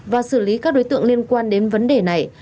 và xử lý các đối tượng liên quan đến vấn đề này